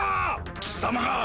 貴様が！